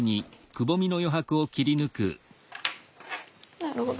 なるほど。